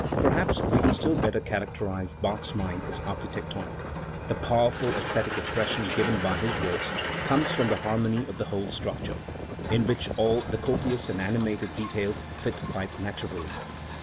Perhaps we can still better characterise Bach's mind as architectonic. The powerful aesthetic impression given by his works comes from the harmony of the whole structure, in which all the copious and animated details fit quite naturally.